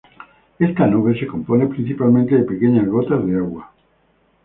Esta nube se compone principalmente de pequeñas gotas de agua.